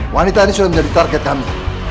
wanita ini sudah menjadi target kami